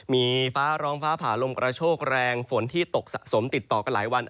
มีฟ้าร้องฟ้าผ่าลมกระโชกแรงฝนที่ตกสะสมติดต่อกันหลายวัน